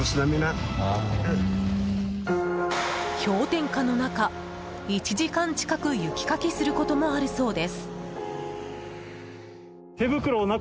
氷点下の中、１時間近く雪かきすることもあるそうです。